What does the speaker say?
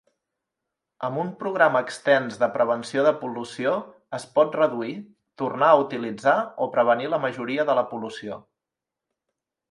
Amb un programa extens de prevenció de pol·lució, es pot reduir, tornar a utilitzar o prevenir la majoria de la pol·lució.